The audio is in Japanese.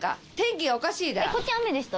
こっち雨でした？